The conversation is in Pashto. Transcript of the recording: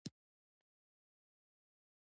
د سمندر څپو شور د سیلانیانو لپاره آرامتیا ده.